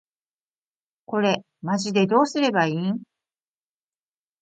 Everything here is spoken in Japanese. これマジでどうすれば良いん？